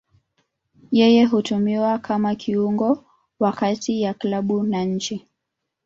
Yeye hutumiwa kama kiungo wa kati ya klabu na nchi.